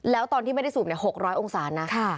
แล้วตอนที่ไม่ได้สูบ๖๐๐องศานะ